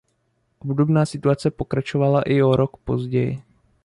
Obdobná situace pokračovala i o rok později.